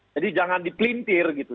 jadi jangan dipelintir gitu